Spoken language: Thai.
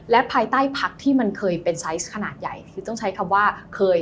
และภายใต้พักที่มันเคยเป็นไซส์ขนาดใหญ่คือต้องใช้คำว่าเคย